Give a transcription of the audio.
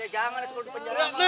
jangan itu kalau di penjara